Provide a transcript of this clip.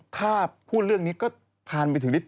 ถ้าพูดเรื่องนี้ก็ผ่านไปถึงนิด